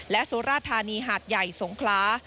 และสุราธานีหาดใหญ่สงคลา